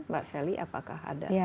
mbak sally apakah ada